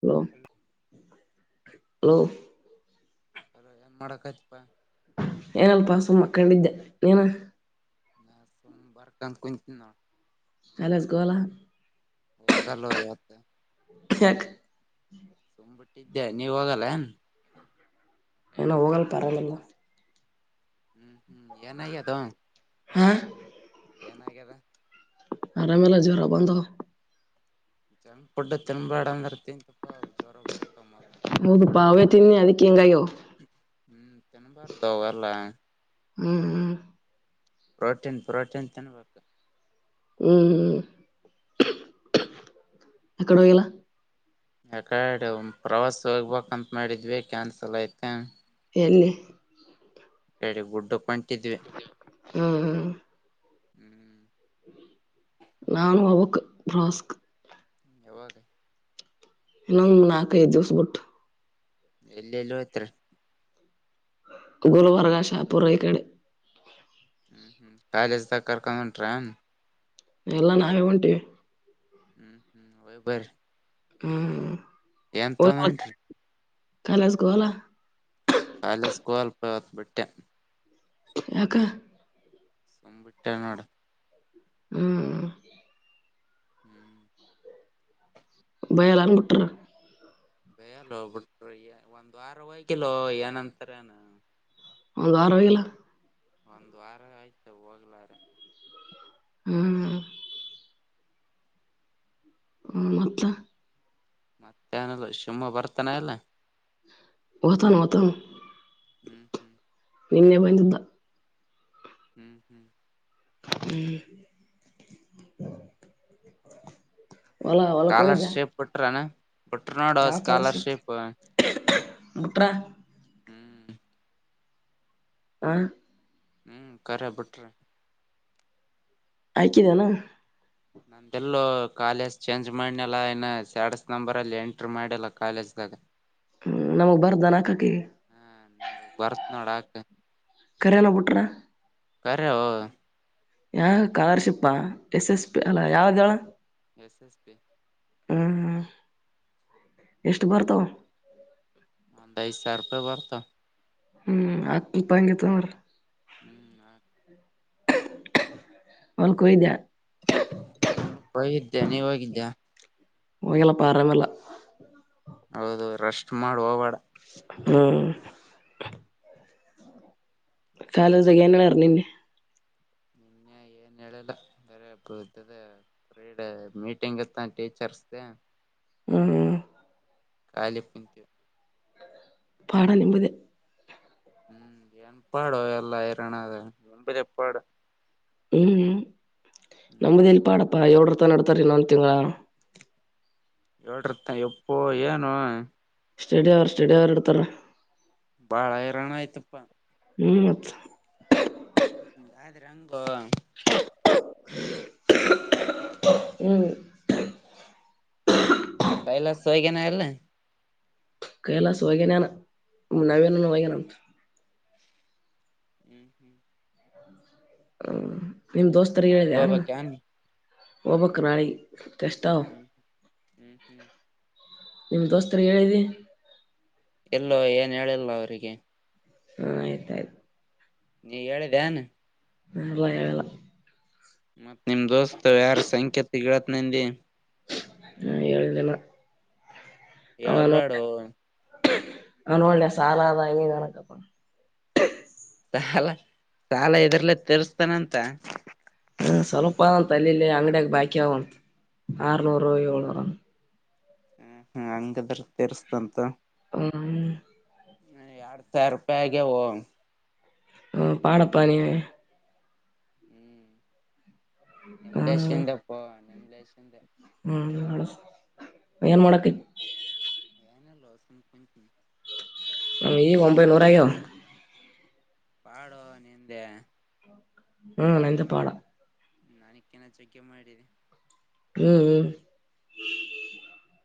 Hello hello. ಮಾಡಕ್ ಪಾ. ಏನಲ್ಪ ಸುಮ್ಮ ಕಂಡಿದ್ದ ನೀನ ಸೋಮಬಾರಟ ಕುಂ ತಿನ. ಅನ್ ಕಲ ಹೋಗಲ್ಲವತ್ತ. ಯಾಕ ಬಿಟ್ಟಿದ್ದೆ ನೀವ ಹೋಗಲ್ಲ. ಇಲ್ಲ ಹೋಗಲ್ಲ ಪಾ ನಾವೆಲ್ಲ ಹ್ಮ್ ಹ್ಮ್ ಏನಾಯ ಅದದು. ಹಾ. ಆರಾಮೇಲೆ ಜೋರ ಬಧ ತೆ ಪುಡ್ಡ ತಿನ್ಬ್ಯಾಡ ಅಂದರ್ ತಿನ್ ತುಪ್ಪ ಜ್ವರ ಬರುತ್ತ. ಹೌದುಪ್ಪ ಅವೇ ತಿನ್ನಿ ಅದಿಕ್ಕೆ ಹೆಂಗಾಯೋ. ತನ ಬಾರ್ದ ಹಗಲ್ಲಾ ಹ್ಮ್ ಹ್ಮ. ಪ್ರೋಟೀನ್ ಪ್ರೋಟೀನ್ ತಿನ್ಬೇಕು. ಹ್ಮ್ ಹ್ಮ್ ಎಕಡೆ ಹೋಗಿಲ್ಲ. ಯಾಕಾಡೆ ಪ್ರವಾಸ ಹೋಗ್ಬೇಕಂತ ಮಾಡಿದ್ವಿ ಕ್ಯಾನ್ಸಲ್ ಐ್ತ ಎನ್ನೆ ಕಡೆ ಗುಡ್ಡಕ್ಕ ಹ್ಮ್ ಹ್ಮ್. ಹ್ಮ್ ನಾನು ಅವಕ್ ಸ್ಕ್. ಯಾಗಾಗ ಇಂಗ್ ನಕ ಜದುಸಬುಟ್ಟು. ಎಲ್ಲಿ ಎಲ್ಲ ಅತ್ರ ಗುಲ್ಬರ್ಗ ಶಾಪುರ ಈ ಕಡೆ ಹ್ಮ ಹ್ಮ್ ಕಾಲೇಜ ತ ಕಕಟ್ರ್ಯಾಾಮ ಎಲ್ಲ ನಾವೇ ಉಂಟೀವಿ ಹ್ಮ್ ಹ್ಮ್ ರಬರ್ ಹ್ಮ್ ಎಂಂತಂದಂ ರರಿ ಕಾಲಸ ಗೋಲ ಪತ್ ಬಿಿಟ್ಟ ಯ ಸಂಂಬಿಟ್ಟ ನೋಡ ಹ್ಮ್ ಹ್ಮ್ ಭಯಲ್ಲ ಅನ್್ಬಿಟ್ರ ಬಯಲ್ಲ ಹೋಗ್ಬಿಟ್ರಿ ಒಂದ್ ವಾರ ಹೋಯ್ಕಿಲ್ಲೋ ಏನಂತಾರ ಏನು ಒಂದು ವಾರವಾಗಿಲ್ಲ ಒಂದ್ ವಾರ ಆಯ್ತ ಹೋಗ್ಲಾರ ಹ್ಮ ಹ್ಮ ಮತ್ತ ಮತ್ತೆ ನಲ್ಲ ಶಿವಮೊ ಬರ್ತಾನ ಎಲ್ಲ ಹೊತನು ಹೊತ ಹ್ಮ್ ಹ್ಮ್ ನಿನ್ನೆ ಬಂದಿದ್ದ ಹ್ಮ್ ಹ್ಮ್ ಹ್ಮ ಸ್ಕಾಲರ್ಶಿಪ್ ಬಿಟ್ರನಾ ಬಿಟ್ರ ನೋಡು ಸ್ಕಾಲರ್ಶಿಪ್ ಟ್ರ ಹ್ಮ್ ಆ ಹ್ಮ್ ಕರೆ ಬಿಟ್ರಿ ಆಯಕಿದಾನ ನಂದಲ್ಲೂ ಕಾಲೇಜ್ ಚೇಂಜ್ ಮಾಡನಲ್ಲ ಇನ್ನ ಸ್ಯಾಡಸ್ ನಂಬರ್ ಅಲ್ಲಿ ಎಂಟ್ರಿ ಮಾಡಲ್ಲ ಕಾಲೇಜ್ ಹ್ಮ ನಮಗ್ ಬರ್ದ ನಕಕ ಹ ಬರ್ತ್ ನಡ ಆಕ್ ಕರೆ ಎಲ್ಲ ಬಿಟ್ರ ಕರೆ ಯಾವ ಸ್ಕಾಲರ್ಶಿಪ್ಪಾ ಎಸ್ ಎಸ್ ಪಿ ಅಲ್ಲ ಯಾವ್ದಳ ಎಸ್ ಎಸ್ ಪಿ ಎಷ್ಟು ಬರ್ತಾವ ಂದ ಐದುಸ್ ಸಾವಿರ ರೂಪಾಯ ಬರತ ಹ್ಮ್ ಆತ್ತುಲ್ಪಗೆತ್ತುು ಅವ್ರ ಹ್ಮ್ ಹ ಒಲ್ಕದ ಒಲ್ಕ್ ಹೋಗಿದ್ದ್ಯಾ ನೀವ್ ಹೋಗಿದ್ದ್ಯಾ ಹೋಗಲ್ಲಪ್ಪ ಆರಾಮ ಎಲ್ಲ ಹೌದು ರಷ್ಟಟ್ ಮಾಡ ಹೋಗಬೇಡ ಹ್ಮ್ ಕಾಲೋಸಖಾನ ನಾನು ವನನೆ ಏನ್ೆಲೆಲ್ಲ ಬರ ಇ ಇತದೆ ೀಡ ಮೀಟಿಂಗ್ ಇತ್ತ ಟೀಚರ್ಸ್್ದ ಹ್ಮ್ ಕಾಲಿ ಪುಂತ್ಯ ಪಾಡ ನಿಮ್ದೇ ಹ್ಮ್ ಏನ್ ಪಾಡೋ ಎಲ್ಲ ಇರೋನ ಅಾದ ಎಂಬದ ಪಾಡ ಹ್ಮ್ ನಮ್ದ ಇಲ್ ಪಾಡಪ್ಪಾ ಏಳರ್ತ ನಡ್ತಾರ ಇನ್ನೊಂದು ತಿಂಗ ಎಳ್ರತ ಎಪ್ಪ ಏನು ಸ್ಟೇಡಿಯ ಅವಾರ ಸ್ಟೇಡಿಯಾ ಅವಾರ ಇಡ್ತಾರ ಬಾಳ ಹರಾಣ ಆಯ್ತಪ್ಪಾ ಹ್ಮ ಅತ ಗಾದ್ರಂಗೋ ಹ್ಮ್ ಕೈಲ ಸೈಗನ ಎಲ್ಲ ಕೈಲಸ ವಗನಾನ ನವೀನ ವಗನಂತ ಹ್ಮ್ ಹ್ಮ್ ಹ್ಮ ನಿಮ ದೋಸ್ತರ್ ನಾಳೆಗ್ ಹೇಳಿದೆ ಹೋಗ್ಬೇಕನ್ ಹೋಗಬಕ್ ನಾಳಿ ಹ್ಮ್ ಹ್ಮ್ ಹ್ಮ್ ಹ್ಮ್ ನಿಮ ದೋಸ್ತರಿಗೆ ಹೇಳಿದ್ದಿ ಎಲ್ಲೋ ಏನ್ ಹೇಳಿಲ್ಲ ಅವರಿಗೆ ಹ್ಮ ಆಯ್ತಾಯ್ತು ನೀ ಹೇಳಿದೆ ನ್ ನಲ್ಲ ಹೇಳಲ್ಲ ಮತ್ ನಿಮ್ ದೋಸ್ತ್ ಯಾರ ಸಂಖೇತ ಗಿಳತ್ ನಿ ಹ್ಮ ಹೇಳಲಿಲ್ಲ ಹೇಳಳ್ಬ್ಯಾಡು ಹನ್ ಒಳ್ಳೆ ಸಾಲದ ಹಣಕಪ್ಪ ಸಾಲ ಸಾಲ ಇದರ್ಲ ತಿರ್ಸ್ತಾನಂತ ಹ್ಮ ಸ್ವಲ್ಪ ತಲ್ಲಿಲಿ ಅಂಗಡಿಯಾಗ ಬಾಕಿ ಅವಂತೆ ಆರ್ನೂರು ಏಳ್ನೂರು ಹ್ಮ್ ಹ್ಮ ಹಂಗದ್ರ ತರಿಸಸ್ತಂತ ಹ್ಮ [unintelligible] ಹ ಎಡ್ ಸಾವಿರ ರೂಪಾಯಿ ಓ [unintelligible] ಹ್ಮ ಪಡಪ್ಪ ನೀ ಹ್ಮ್ [inaudible] ಹ್ಮ್ ನಿಮ್ಲೇಶಿಿಂದಪ್ಪ ನಿಮ್ಲೇಶಿಂದ [unintelligible] ಯನ್ ಮೊಡಕ್ಕೆ [unintelligible] [unintelligible] ಹ ಈಗ ಒಂಬೈನೂರೂ ಆಗವ ಪಾಡೋ ನಿಂದೆ ಹ್ಮ ನಂದೇ ಪಾಡ ನಾನಕ್ಕನಾ ಚಗೆ ಮಾಡಿದೆ [unintelligible] ಹ್ಮ್ ಹ್ಮ್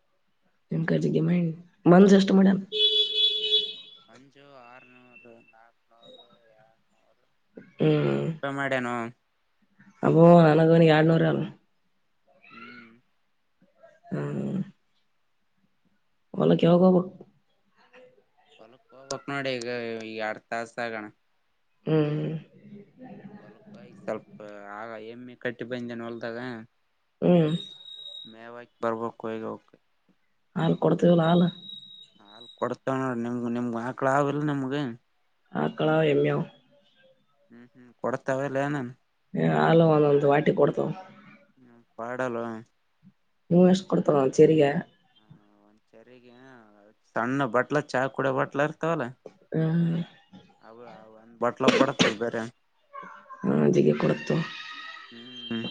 [inaudible] ನಿಮ ಕಜಿಗೆ ಮೈಂಡ್ ಮನ್ಸ ಎಷ್ಟು ಮಾಡಣ [unintelligible] ಮಂಜು ಆರುನೂರು ನಾಕನೂರು ಎಳ್ನೂರು ಏಳ್ನೂರು ರೂಪಾಯಿ ಮಾಡ್ಯನು ಅವು [unintelligible] ಎಳ್ನೂರುಲ್ಲ ಹ್ಮ್ ಹ್ಮ್ ಒಲ್ಲಕ್ಕೆವೋಗ [unintelligible] ಒಲಕ್ಕ ಹೋಗ್ಬೇಕು ನೋಡಿ ಈಗ [unintelligible] ತಾಸ ಆಗಣ ಹ್ಮ್ [inaudible] ಹೊಲ್ ಹೋಗಿ ಸ್ವಲ್ಪ ಆಗ ಹೆಮ್ಮೆ ಕಟ್ಟಿ ಬಂದನ ಹೊಲ್ದಾಗ [unintelligible] ಹ್ಮ್ ಮೇಕ್ ಬರಬೇಕು ಈಗ ಹೋಗಿ ಹಾಲ್ ಕೊಡ್ತೀವಲ್ಲ ಹಾಲ್ ಅಲ್ ಕೊಡ್ತವ ನೋಡ್ರ ನಿಮ್ಗ ನಿಮ್ಗ ಆಕ್ಳ ಆ ಅವಲ್ ನಿಮ್ಗೆ ಆಕಳ ಎಮ್ಯ [unintelligible] ಹ್ಮ್ ಹ್ಮ್ ಕೊಡ್ತವೆಲ್ಲ ಏನನ್ [unintelligible] ಹಲ [unintelligible] ಒಂದೊಂದು್ ವಾಟಿ ಕೊಡ್ತಾವ [unintelligible] ಹ್ಮ ಪಾಡಾಲ ನೀವು ಎಷ್ಟ ಕೊಡ್ತರ ಸರಿಗ [unintelligible] ಸರಿ ಸಣ್ಣ ಬಟ್ಲ ಚಾ ಕುಡೋ ಬಟ್ಲಾ ಇರ್ತವಲ್ಲ ಹ್ಮ್ [inaudible] ಅವ ಅವ ಒಂದ ಬಾಟ್ಲ ಕೊಡಕ್ತ ಬೇರೆ ಹ್ಮ್ ಜಿಗಿ ಕೊಡುತ್ತು [inaudible] ಹ್ಮ್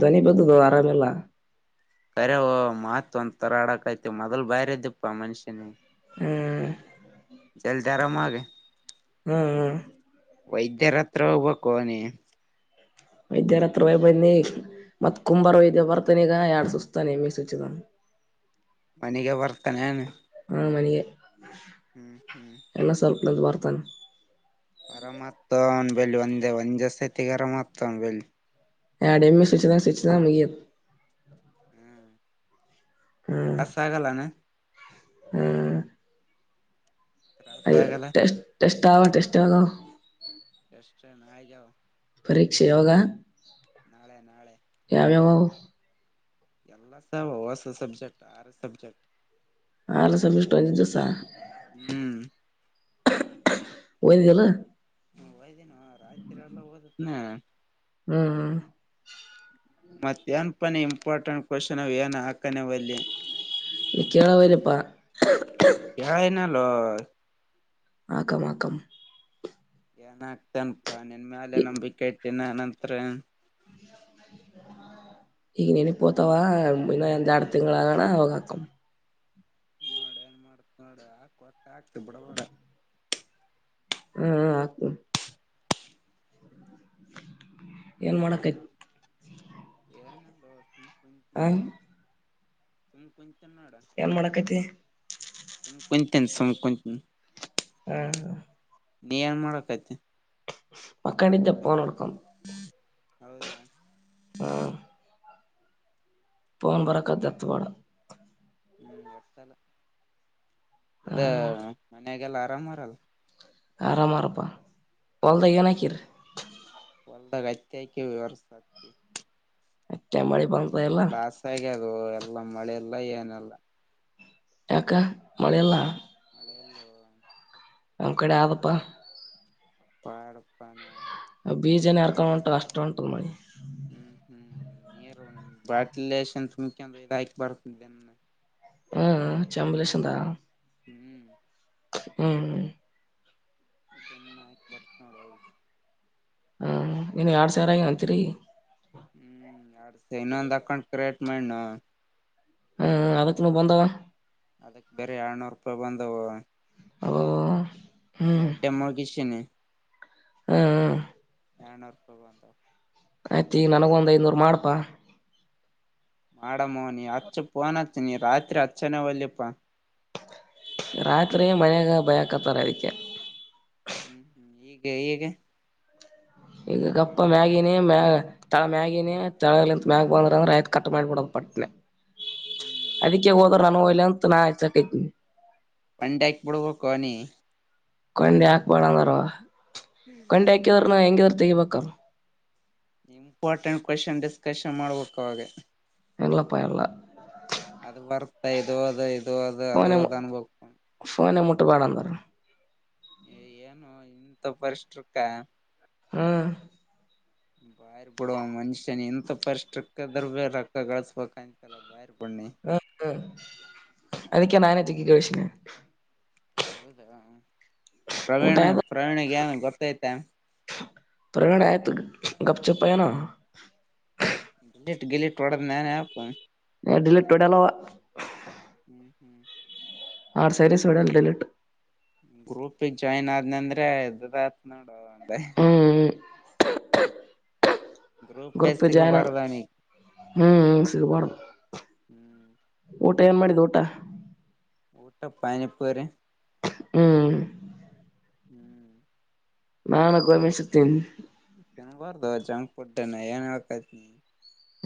ಧ್ವನಿ ಬದದು [unintelligible] ಆರಾಮೆಲ್ಲ ಕರೆ ಓ ಮತ್ ಒಂದಥರ ಆಡಕ್ಯ್ತಿ ಮೊದಲ್ ಬಾರ ಇದ್ದಪ್ಪಾ ಮನ್ಷ್ಯನಿ ಹ್ಮ್ [unintelligible] ಜಲ್ದಿ ಆರಾಮ ಆಗ ಹ್ಮ್ ಹ್ಮ್ ವೈದ್ಯ ಹತ್ರ ಹೋಗ್ಬೇಕು ನೀ ವೈದ್ಯರ ಅತ್ರ ಹೋಗಿ ಬನ್ನಿ ಮತ್ ಕುಂಬಾರ ಇದ್ದ ಬರ್ತಾನ ಈಗ ಎಡ್ ಸುಸ್ತಾನೆ ಮೀಸುಚಿದ [unintelligible] ಮನೆಗೆ ಬರ್ತಾನೆ [unintelligible] ಹ ಮನಗೆ ಹ್ಮ್ ಹ್ಮ್ [unintelligible] ಬರ್ತನ ಆರಾಮ್ ಆಯಿತು ಆರ್ ಒಂದೇ ಸತಿ ಆರಾಮ್ ಅತ್ತು [unintelligible] [unintelligible] [inaudible] ಾಸ ಆಗಲ್ಲಾನ ಹ ತ್ರಾಸ ಆಗಲ್ಲ ಅಯ್ಯೋಟ ಟಸ್ಟ್ ಆಗ ಟೆಸ್ಟ್ ಆಗೋ ಎಷ್ಟನ್ ಆಯಗಾವ ಪರೀಕ್ಷ ಯೋಗ ನಾಳೆ ನಾಳೆ ಅವು ಎಲ್ಲ ಸ ಹೊಸ ಸಬ್ಜೆಕ್ಟ್ ಆರು ಸಬ್ಜೆಕ್ಟ್ ಆಲಸವಲ್ ಇಷ್ಟ ದೋಸ ಹ್ಮ್ ಒಯದಲ್ಲ ಹ ಒಯದಿನ ರಾತ್ರಿ ಎಲ್ಲ ಓದತ್ನ ಹ್ಮ್ ಮತ್ತೆ ಏನ್ಪನ ಇಂಪಾರ್ಟೆಂಟ್ ಕ್ವಶನ್ ಅವ ಏನ್ಕ್ ನಿಕಣ ವರಿಪ್ಪಾ ಯಾಯನಲ್ಲ ಆಕ ಆಕಂ ಏನ ಆಗ್ತನಪಾ ನಿನ್ ಮೇಾಲ ನಂಬಿಕ ಇತಿನ ನಂತ್ರ [inaudible] ಈಗ ನನ ಪೋತಾವ ಇನ್ನ ಎಂದ ಇಡ್ ತಿಂ ಆಾಗಣ ಅವ ಕಾಕ ನೋಡ್ ಏನ್ ಮಾಡತ್ ನೋಡ ಆಕ್ ಹೊಟ್ಟ ಆಗ್ತಿ ಬಿಡಬಡ ಹಾ ಆಗ್ತು [inaudible] ಮ ನಲ್ಲ ಹ ತುಮ ಕೊಂಚ ನಡ ಏನ್ ಮಾಡಕೈತಿ ತುಮ ತಿನ್ಿಸಕ ಹ್ಮ ನೀ ಏನ್ ಮಾಡಕಐತೆ ಮಕ್ಕಾಂಡ ಜಪ್ಪ ನಡ್ಕೊಂಡ ಹೌದಾ ಹ್ಮ ಪೋನ್ ಬರಕ್ಕ್ದತ್ವಾಡ ಹ್ಮ್ ಇರ್ತಲ್ಲ ಇದ ಹ್ಮ್ ಮನಯಾಗೆಲ್ಲ ಆರಾಮ್ಾರಲ್ಲ ಆರಾಮರಪಾ ಹ್ಮ್ ಹ್ಮ್ ಒಳ್ಳ ಕತ್ಯ ಹೊರ್ಸ ಮತ್ತೆ ಮಳಿ ಬಂತ ಎಲ್ಲ ಲಾಸ್ ಆಗ್ಯ ಅದು ಎಲ್ಲ ಮಳೆೆಲ್ಲ ಏನೆಲ್ಲ ಯಾಕ ಮೆಯಲ್ಲ ಮಳೆ ಅಲ್ಲವಾ ಅವ ಕಡೆ ಆವಪ್ಪಾ ಪಾಡಪ್ಪಾನ ಬೀಜನ ಯಾರ್ಕೊಂಡ್ ಉಂಟ ಅಷ್ಟು ಉಂಟದ ಮಿ ಹ್ಮ್ ಹ್ಮ್ ಬಾಟ್ಲ ತುಂಬಕ್ ಹಾಕಿ ಬರ್ತಿದ್ದೆ ಹ್ಮ್ ಚಂಬಲೇಶಂತಾ ಹ್ಮ್ ಹ್ಮ್ ನ್ನ ಬರ್ತ ನೋಡ ಹ್ಮ ಇನ್ ಎರಡ್ ಸಾವರ ಆಗ ಅಂತೀರಿ ಹ್ಮ್ ಯಡ್ಸ ಇನ್ನೊಂದ್ ಹಾಕೊಂಡ್ ಕ್ರೇಟ್ ಮಾಡ ಹ್ಮ್ ಅದತ್ ನ ಬಂದಾವ ಅದಕ್ ಬೇರೆ ಆಡ್ನೂರು ರೂಪಾಯಿ ಬಂದವು ಅ ಬರ ಅಡ್ ಡೆಮಕಷನ್ ಹಾ ಹ ನೂರ್ಪ ಬಂದ ಆಯ್ತು ಈಗ ನನಗೊ ಒಂದು ಐನೂರು ಮಾಡ್ಪಾ ಮಾಡಮೋ ನೀ ಹಚ್ಚ ಪೋನತ್ತ ನೀ ರಾತ್ರಿ ಹಚ್ಚನೆ ಒಳ್ಳಪ್ಪ ರಾತ್ರಿ ಮಳೆಯಾಗ ಭಯಕತ್ತಾರೆ ಅದಕ್ಕೆ ಹ್ಮ್ ಹ್ಮ್ ಈಗೆ ಹೀಗೆ ಈಗ ಗಪ್ಪ ಮ್ಯಾಗಿಿನೇ ಮ ತಳ ಮ್ಯಾಗಿಿನೇ ತಳಂತ ಮ್ಯಾಗ್ ಬಂದಂದ್ರೆ ಆಯತ ಕಟ್ ಮಾಡ್ಬಿಡ ಟ್ನೆ ಹ್ಮ್ ಹ್ಮ್ ಅದಕ್ಕೆ ಹೋದ್ರ ನಾನಲ್ಲ ಅಂತ ನಾ ಆಸಕೈತನಿ ಪಂಡ ಎ ಪಡು ಕೊನಿ ಕೊಂಡಿ ಹಾಕ್ಬೇಡಂದಾರ ಕೊಂಡಿ ಹಾಕಿದ್ರನು ಹೆಂಗಿದ್ರ ತೆಗಿಬೇಕಲ್ ಇಂಪಾರ್ಟೆಂಟ್ ಕ್ವಶನ್ ಡಿಸ್ಕಶನ್ ಮಾಡ್ಬೇಕ ಅವಾಗೆ ಎಲ್ಲಪ್ಪ ಎರಲ್ಲ ಅದು ವರ್ತ್ತ ಇದು ಹದು ಇದು ಹದು ಅದು ಹದ ಅನ್ಭವ ಪಟ್ಟುಬಡ ಅಂದರು ಏನು ಇಂತ ಪರಿಷ್ಟ್ರಕ್ಕ ಹಾ ಬಾಯ ಬಿಡುವ ಮನುಷ್ಯನ್ ಎಂತ ಪರಿಶ್ರಕ್ಕದ್ರ ಬೇ ರೊಕ್ಕ ಗಳಿಸಸ್ಬೇಕಾಯಂತಲ್ಲ ಬ ಬಿಡ ಹ್ಮ ಹ್ಮ ಅದಕ್ಕೆ ನಾನ ಚಕ್ಕಿ ಕಳ್ಷಿನ ಹೌದಾ ಊಟ ಪ್ರವೀಣ ಆದ ಪ್ರವೀಣಗ ನ್ ಗೊತ್ತೈ್ತ ತಣಯತ ಗಪ್ ಚಪ್ಯನ ಗ ಗಿಲಿಟ್ ಒಡ ನಾನ ಆ ಎಡ ಲಟ್ಟುಡೆಲ್ಲವಾ ಹ್ಮ್ ಹ್ಮ್ ಆರ್ ಸೈರೀಸ್ ವಿಡಲ್ಲ ಡಲಿಟ್ ಗ್ರೂಪಗ್ ಜಾಯಿನ್ ಆದ್ನ ಅಂದ್ರೆ ಎದ ಆತ್ ನೋಡ ಹ್ಮ್ ಗ್ರೂಪ್ ಗ್ರೂಪ್ಸ್ಕ್ಕೆ ಜಾಯ್ನ್ ವರದಾನಿ ಹ್ಮ್ ಸಿಗಬಡ ಹ್ಮ್ ಊಟ ಏನ್ ಮಾಡಿದ್ದು ಊಟ ಊಟ ಪನಿ ಪರೆ ಹ್ಮ್ ಹ್ಮ್ ನಾಾನಾ ಗಮ ಸುತ್ತ ಬರ್ದ ಚಂಕ್ ಪಡ್ಡನೆ ನ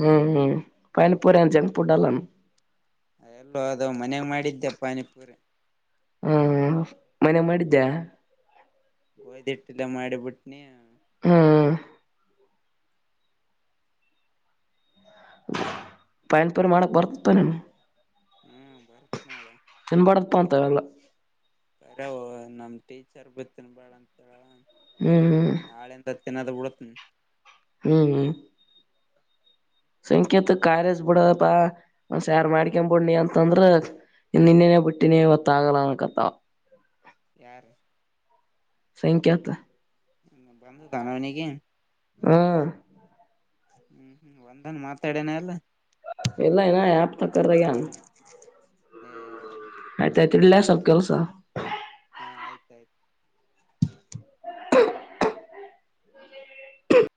ಹ್ಮ್ ಹ್ಮ್ ಪನ ಪುರಚ ಪುಡ್ಡಲ್ಲ ಎಲ್ಲೋ ಅದು ಮನೆಾಗ ಮಾಡಿದ್ದೆ ಪಾನಿಪೂರಿ ಹಾ ಮನೆ ಮಾಡಿದ್ದೆ ಗೋಯ್ದಟ್ಟಲ್ಲ ಮಾಡಿಬಿಟ್ಟನ ತಿಂದೆ ಹ್ಮ್ ಪಯನ್ಪರ ಮಾಡಕ್ ಬರ್ತತಾನ ಹ್ಮ ಬರ್ತ್ ನಾಳ ತ್ತಲ ಬರ ನಮ್ ಟೀಚರ್ ಬತ್ತಿನ ಬಾಳ ಅಂತೇಳ ಹ್ಮ್ ಹ್ಮ್ ನಾದ ಉಳುತ್ತ ಹ್ಮ ಹಾ ಸಂಕೇತ್ ಕಾರಜ ಬಿಡಪಾ ಒಂದ್ಸಾರ್ ಮಾಡ್ಕನ್ಬ ಬಿಡ್ ನೀ ಅಂತಂದ್ರ ಇ ನಿನ್ನೆನ ಪುಟ್ಟಿನೇ ಒತ್ತಾಗಲ ಕತ್ತಾವ ಯಾರು ಸಂಖ್ಯಾತ ಬಂದು ತಾನನಗೆಿ ಹ್ಮ ಹ್ಮ್ ಒಂದನ್ ಮಾತಾಡೇನೆ ಎಲ್ಲ ಪಲ್ಲ ಇನ ಆತಕ್ಕ್ರಗಾನ ಹ ಆಯ್ತ ಆಯ್ತ್ು ಇಳ್ಳೇ ಸ್ವಲ್ಪ ಕೆಲ್ಸ ಹಾ ಆಯ್ತ ಆಾಯ್ತು